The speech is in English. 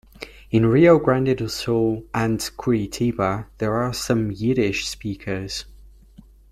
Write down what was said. In Rio Grande do Sul and Curitiba there are some Yiddish speakers.